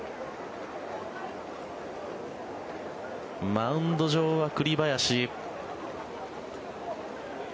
マウンド上は栗林。